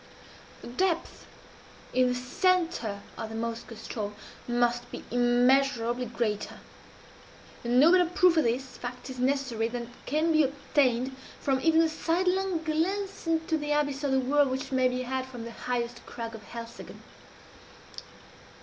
The depth in the centre of the Moskoe ström must be immeasurably greater; and no better proof of this fact is necessary than can be obtained from even the sidelong glance into the abyss of the whirl which may be had from the highest crag of Helseggen.